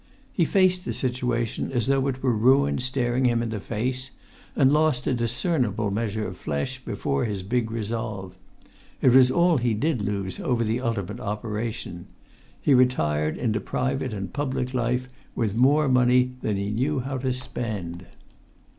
He faced the situation as though it were ruin staring him in the face, and lost a discernible measure of flesh before his big resolve. It was all he did lose over the ultimate operation. He retired into private and public life with more money than he knew how to spend.